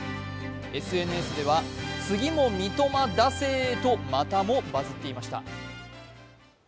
ＳＮＳでは、次も三笘出せーーー！とバズっていました。